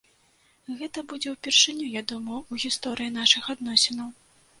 Гэта будзе ўпершыню, я думаю, у гісторыі нашых адносінаў.